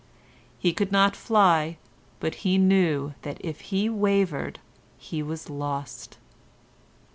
He could not fly, but he knew that if he wavered he was lost.